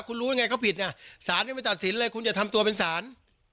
คุณรู้ยังไงเขาผิดไงศาลยังไม่ตัดสินเลยคุณจะทำตัวเป็นศาล